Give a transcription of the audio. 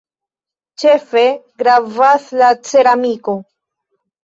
Ĉefe gravas la ceramiko.